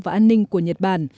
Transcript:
và an ninh của nhật bản